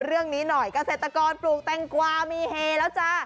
เรื่องนี้หน่อยเกษตรกรปลูกแตงกวามีเฮแล้วจ้า